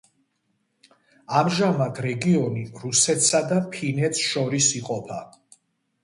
ამჟამად რეგიონი რუსეთსა და ფინეთს შორის იყოფა.